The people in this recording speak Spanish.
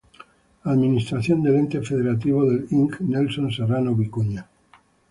Administración del ente Federativo del Ing. Nelson Serrano Vicuña.